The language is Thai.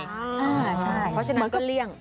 เพราะฉะนั้นมันก็เลี่ยง